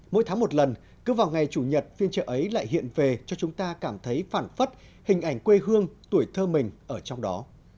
mỗi tháng một lần cứ vào ngày chủ nhật phiên chợ ấy lại hiện về cho chúng ta cảm thấy phản phất hình ảnh quê hương tuổi thơ mình ở trong đó